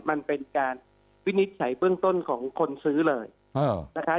มันเป็นการวินิจฉัยเบื้องต้นของคนซื้อเลยนะคะ